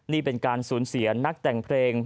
นี่เป็นการสูญเสียนักแต่งเพลง